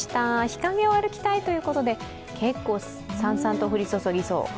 日陰を歩きたいということで、結構さんさんと降り注ぎそう。